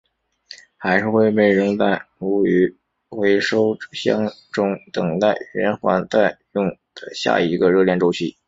还是会被扔在厨余回收箱中等待循环再用的下一个热恋周期？